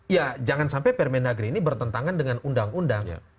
ya jangan sampai permendagri ini bertentangan dengan undang undang